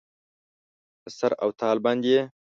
په سر او تال باندې یې